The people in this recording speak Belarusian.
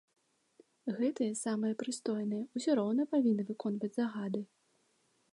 Гэтыя самыя прыстойныя ўсё роўна павінны выконваць загады.